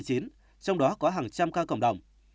trong đó có hàng trăm ca cộng đồng